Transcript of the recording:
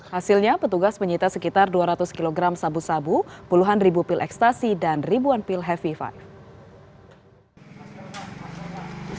hasilnya petugas menyita sekitar dua ratus kg sabu sabu puluhan ribu pil ekstasi dan ribuan pil heavy five